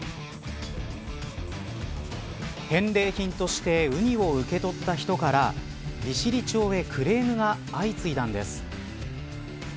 返礼品としてウニを受け取った人から利尻町へクレームが相次いだんです。